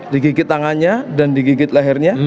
digigit tangannya dan digigit lehernya